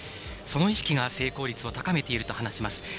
その意識が成功率を高めていると話します。